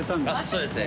そうですね。